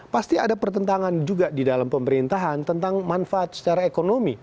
pasti ada pertentangan juga di dalam pemerintahan tentang manfaat secara ekonomi